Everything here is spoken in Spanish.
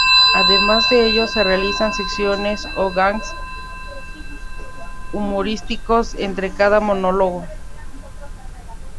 Además de ello, se realizan secciones o "gags" humorísticos entre cada monólogo.